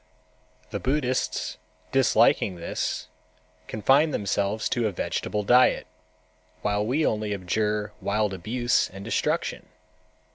The Buddhists, disliking this, confine themselves to a vegetable diet, while we only abjure wild abuse and destruction.